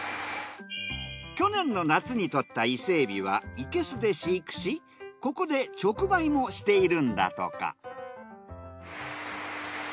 去年の夏にとった伊勢海老は生け簀で飼育しここで直売もしているんだとか。